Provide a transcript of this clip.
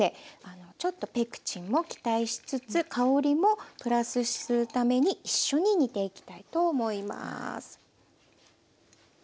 ちょっとペクチンも期待しつつ香りもプラスするために一緒に煮ていきたいと思います。